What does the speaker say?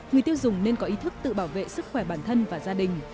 người tiêu dùng nên có ý thức tự bảo vệ sức khỏe bản thân và gia đình